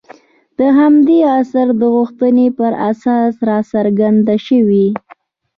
د همدې عصر د غوښتنو پر اساس راڅرګند شوي.